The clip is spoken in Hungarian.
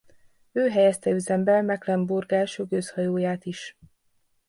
Ő helyezte üzembe Mecklenburg első gőzhajóját is.